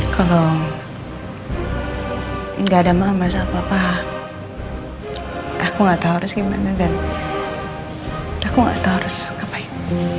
kalau gak ada mama sama papa aku gak tau harus gimana dan aku gak tau harus ngapain